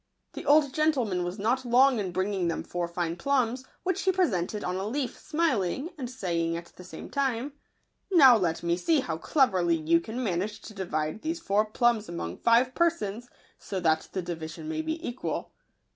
The old gentleman was not long in bringing them four fine plums, which he presented on a leaf, smiling, and saying at the same time, " Now let me see how cleverly you can man age to divide these four plums among five persons, so that the division may be equal."